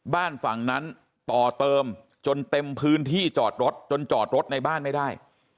บ้านฝั่งนั้นต่อเติมจนเต็มพื้นที่จอดรถจนจอดรถในบ้านไม่ได้